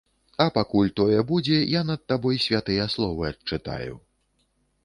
А пакуль тое будзе, я над табой святыя словы адчытаю.